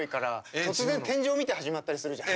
突然天井見て始まったりするじゃん。